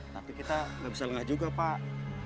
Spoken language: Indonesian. tapi kita nggak bisa lengah juga pak